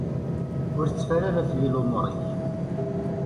Ur tteffer ara fell-i lumuṛ-ik.